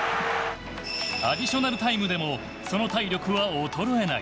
アディショナルタイムでもその体力は衰えない。